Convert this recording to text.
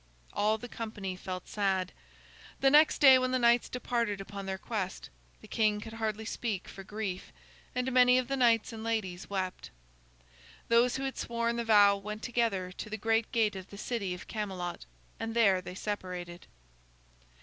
All the company felt sad. The next day when the knights departed upon their quest, the king could hardly speak for grief, and many of the knights and ladies wept. Those who had sworn the vow went together to the great gate of the city of Camelot, and there they separated.